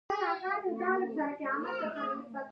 ځکه موټر، کور او نورې اړتیاوې ترلاسه کوئ.